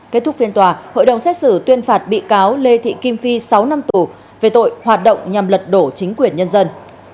kết thúc phiên tòa hội đồng xét xử tuyên phạt bị cáo lê thị kim phi sáu năm tù về tội hoạt động nhằm lật đổ chính quyền nhân dân